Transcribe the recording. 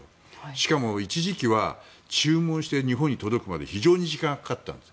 しかも一時期は注文して日本に届くまで非常に時間がかかったんです。